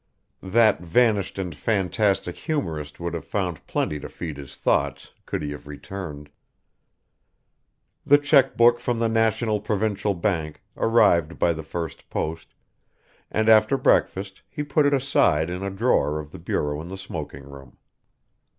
That vanished and fantastic humourist would have found plenty to feed his thoughts could he have returned. The cheque book from the National Provincial Bank arrived by the first post, and after breakfast he put it aside in a drawer of the bureau in the smoking room.